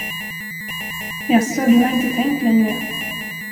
Jaså, du har inte tänkt längre.